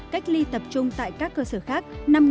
cách ly tập trung tại các cơ sở khác